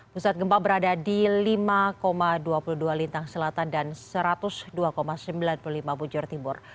pusat gempa berada di lima dua puluh dua lintang selatan dan satu ratus dua sembilan puluh lima bujur timur